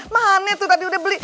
mane tuh tadi udah beli